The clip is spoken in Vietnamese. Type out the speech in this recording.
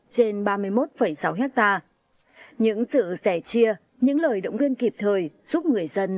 trên ba mươi một sáu hectare những sự sẻ chia những lời động viên kịp thời giúp người dân